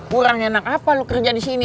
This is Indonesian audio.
kurang enak apa lo kerja di sini